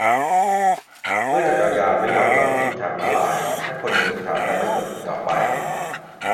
เมื่อจักรยานไม่ยอมจอดที่ทางม้าลาย และคนเดินเท้าจะไม่ทนอีกต่อไป !